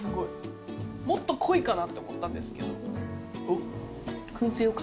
もっと濃いかなって思ったんですけど。